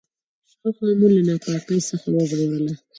شاوخوا مو له ناپاکۍ څخه وژغورله.